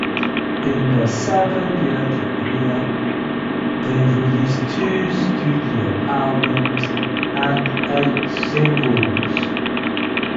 In their seven-year career they released two studio albums and eight singles.